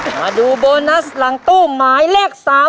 มาดูโบนัสหลังตู้หมายเลข๓